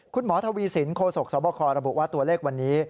คุณหมอทวีสินโคศกสบคระบุว่าตัวเลขวันนี้